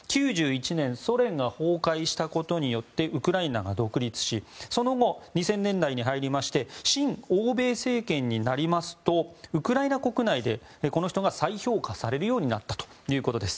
９１年、ソ連が崩壊したことによってウクライナが独立しその後、２０００年代に入って親欧米政権になりますとウクライナ国内でこの人が再評価されるようになったということです。